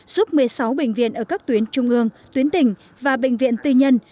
giúp một mươi sáu bệnh viện ở các tuyến trung ương tuyến tỉnh và bệnh viện tư nhân